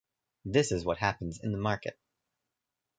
This is what happens in the market.